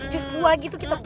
cus buah gitu kita play nih ya